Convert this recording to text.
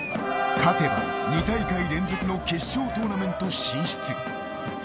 勝てば２大会連続の決勝トーナメント進出。